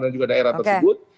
dan juga daerah tersebut